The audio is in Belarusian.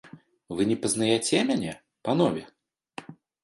Вы не пазнаяце мяне, панове?